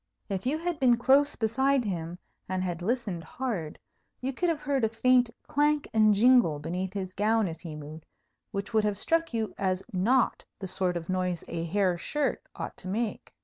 If you had been close beside him, and had listened hard, you could have heard a faint clank and jingle beneath his gown as he moved, which would have struck you as not the sort of noise a hair shirt ought to make.